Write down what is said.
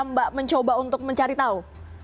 mbak mencoba untuk mencari tahu